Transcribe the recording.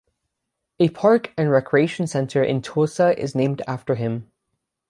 A park and recreation center in Tulsa is named after him.